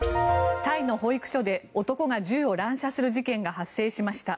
タイの保育所で男が銃を乱射する事件が発生しました。